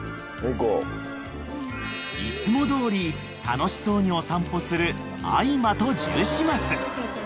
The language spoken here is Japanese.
［いつもどおり楽しそうにお散歩するあいまとジュウシ松］